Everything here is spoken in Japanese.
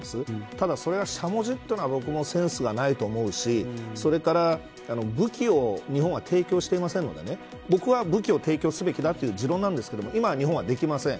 ただ、それがしゃもじというのは僕はセンスがないと思うしそれから武器を日本は提供していませんので僕は、武器を提供すべきだという持論なんですけれど今は日本はできません。